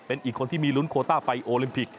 เป็นอีกคนที่มีลุ้นโคต้าไฟโอลิมปิก